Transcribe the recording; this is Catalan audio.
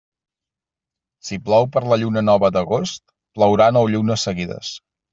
Si plou per la lluna nova d'agost, plourà nou llunes seguides.